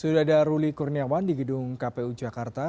sudah ada ruli kurniawan di gedung kpu jakarta